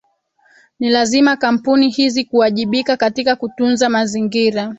Ni lazima kampuni hizi kuwajibika katika kutunza mazingira